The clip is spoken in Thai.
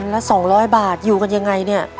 แล้วสองร้อยบาทอยู่กันยังไงเนี่ย